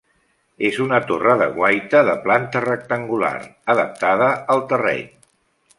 És una torre de guaita de planta rectangular, adaptada al terreny.